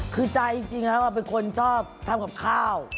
คือใจจริงครับเป็นคนชอบทำกับข้าว